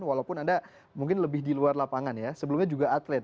walaupun anda mungkin lebih di luar lapangan ya sebelumnya juga atlet